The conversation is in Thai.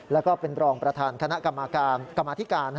แล้วก็เป็นรองประธานคณะกรรมการกรรมธิการ